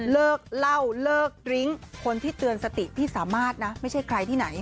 เลิกเล่าเลิกดริ้งคนที่เตือนสติพี่สามารถนะไม่ใช่ใครที่ไหน